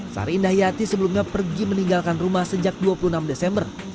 sari indah yati sebelumnya pergi meninggalkan rumah sejak dua puluh enam desember